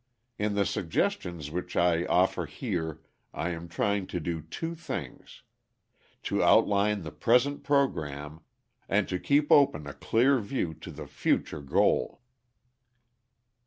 In the suggestions which I offer here I am trying to do two things: to outline the present programme, and to keep open a clear view to the future goal.